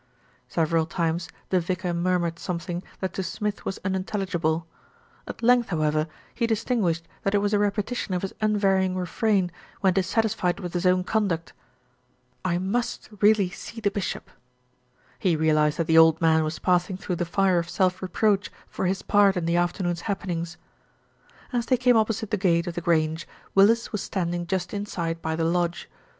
Several times the vicar murmured something that to Smith was unintelligible. At length, however, he distin guished that it was a repetition of his unvarying re frain, when dissatisfied with his own conduct, "I must really see the bishop." He realised that the old man was passing through the fire of self reproach for his part in the afternoon's happenings. As they came opposite the gate of The Grange, MARJORIE HEARS THE NEWS 311 lis was standing just inside by the lodge.